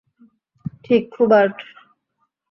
ঠিক, হুবার্ট।